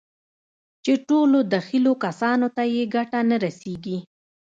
چې ټولو دخيلو کسانو ته يې ګټه نه رسېږي.